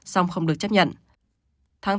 xong không được chấp nhận